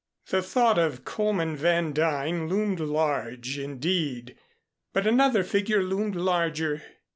The thought of Coleman Van Duyn loomed large, indeed, but another figure loomed larger.